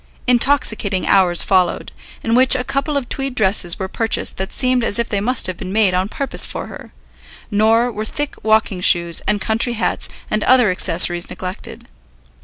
Intoxicating hours followed, in which a couple of tweed dresses were purchased that seemed as if they must have been made on purpose for her; nor were thick walking shoes, and country hats, and other accessories neglected.